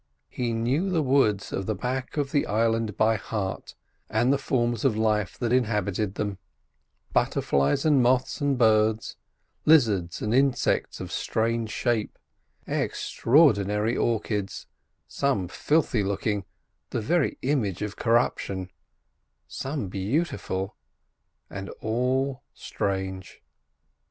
He knew the woods of the back of the island by heart, and the forms of life that inhabited them—butterflies, and moths, and birds, lizards, and insects of strange shape; extraordinary orchids—some filthy looking, the very image of corruption, some beautiful, and all strange.